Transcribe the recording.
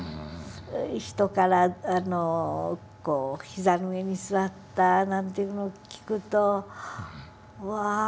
人から膝の上に座ったなんていうのを聞くと「わぁいいなあ。